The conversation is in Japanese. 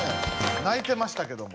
ないてましたけども。